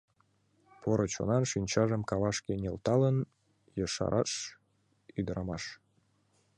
— Поро чонан, — шинчажым кавашке нӧлталын, ешарыш ӱдырамаш.